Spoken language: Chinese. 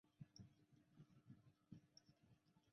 这是皮泽建造的唯一一座铁路车站。